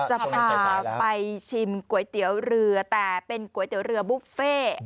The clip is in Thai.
จะไปชิมก๋วยเตี๋ยวเรือแต่เป็นก๋วยเตี๋ยวเรือบุฟเฟ่